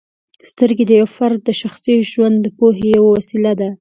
سترګې د یو فرد د شخصي ژوند د پوهې یوه وسیله ده.